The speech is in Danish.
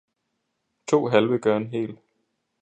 To halve gør en hel!